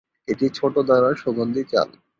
এটি ছোটো দানার সুগন্ধি চাল।